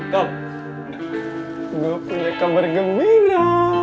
tom gue punya kabar gembira